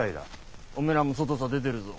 おめらも外さ出てるぞ。